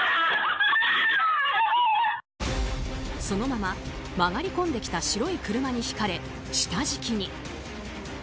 そのまま曲がり込んできた白い車にひかれ、下敷きに。